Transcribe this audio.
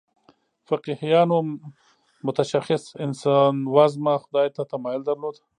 فقیهانو متشخص انسانوزمه خدای ته تمایل درلود.